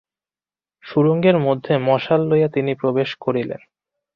সুরঙ্গের মধ্যে মশাল লইয়া তিনি প্রবেশ করিলেন।